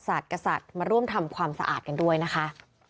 สัตว์กับสัตว์มาร่วมทำความสะอาดกันด้วยนะคะ